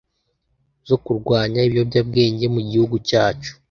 zo kurwanya ibiyobyabwenge mu gihugu cyacu